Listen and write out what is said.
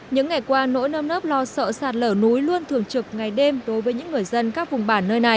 những ngày qua nỗi nơm nớp lo sợ sạt lở núi luôn thường trực ngày đêm đối với những người dân các vùng bản nơi này